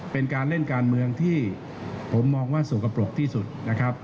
เป็นการเล่นการเมืองที่ผมมองว่าสกปรกที่สุดนะครับ